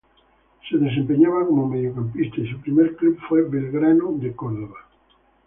Se desempeñaba como mediocampista y su primer club fue Belgrano de Córdoba.